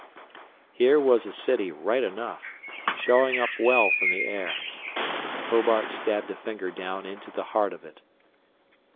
There was a city, right enough showing up well from the air. Hobart stabbed a finger down into the heart of it.